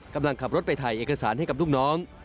กำลังขับรถไปถ่ายเอกสารให้กับลูกน้อง